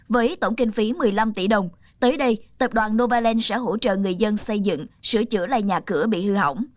với tổng kinh phí một mươi năm tỷ đồng tới đây tập đoàn novaland sẽ hỗ trợ người dân xây dựng sửa chữa lại nhà cửa bị hư hỏng